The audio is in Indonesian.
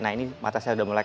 nah ini mata saya udah melek